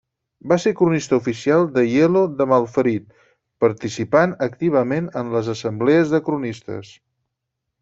Va ser cronista oficial d'Aielo de Malferit, participant activament en les assemblees de cronistes.